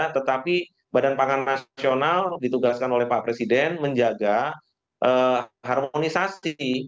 tetapi badan pangan nasional ditugaskan oleh pak presiden menjaga harmonisasi